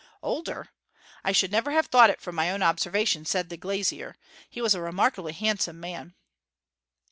'Older? I should never have thought it from my own observation,' said the glazier. 'He was a remarkably handsome man.'